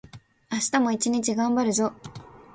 明日も一日がんばるぞ